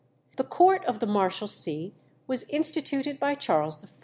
The court of the Marshalsea was instituted by Charles I.